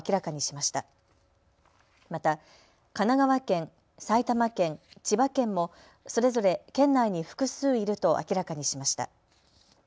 また神奈川県、埼玉県、千葉県もそれぞれ県内に複数いると明らかにしました。